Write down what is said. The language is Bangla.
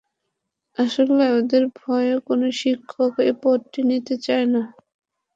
আসলে ওদের ভয়ে কোনো শিক্ষক এই পদটি নিতে চায় না।